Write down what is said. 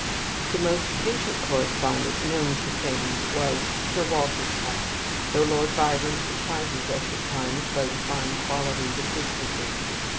The most patient correspondent known to fame was Sir Walter Scott, though Lord Byron surprises us at times by the fine quality of his good nature.